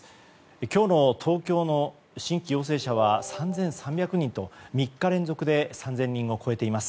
今日の東京の新規陽性者は３３００人と３日連続で３０００人を超えています。